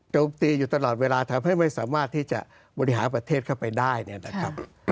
โจมตีอยู่ตลอดเวลาทำให้ไม่สามารถที่จะบริหารประเทศเข้าไปได้เนี่ยนะครับ